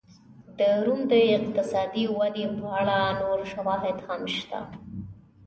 د روم د اقتصادي ودې په اړه نور شواهد هم شته.